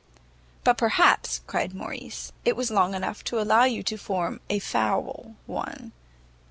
"But perhaps," cried Morrice, "it was long enough to allow you to form a foul one."